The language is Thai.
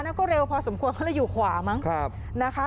แต่ก็เร็วพอสมควรก็อยู่ขวามั้งนะคะ